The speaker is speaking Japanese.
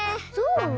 そう？